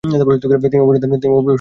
তিনি অভিনেতা শহীদ কাপুরের বাবা।